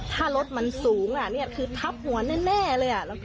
ถ้ารถมันสูงนี่คือทับหัวแน่เลย